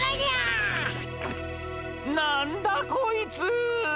なんだこいつ！